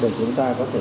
để chúng ta có thể